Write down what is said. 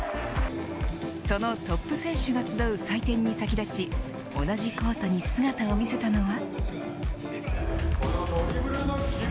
そのトップ選手が集う祭典に先立ち同じコートに姿を見せたのは。